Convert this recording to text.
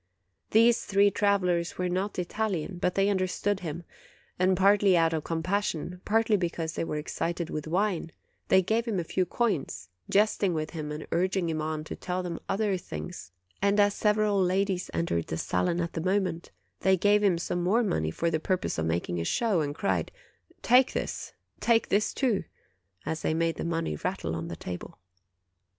These three travelers were not Italian, but they understood him; and partly out of compassion, partly because they were excited with wine, they gave him a few coins, jesting with him and urging him on to tell them other things; and as several ladies entered the salon at the moment, they gave him some more money for the purpose of making a show, and cried: 'Take this ! Take this, too !' as they made the money rattle on the table.